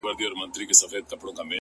• زه پر خپلي ناشکرۍ باندي اوس ژاړم,